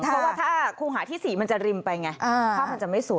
เพราะว่าถ้าครูหาที่๔มันจะริมไปไง